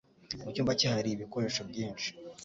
Mu cyumba cye hari ibikoresho byinshi.